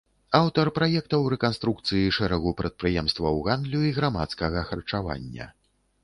Аўтар праектаў рэканструкцыі шэрагу прадпрыемстваў гандлю і грамадскага харчавання.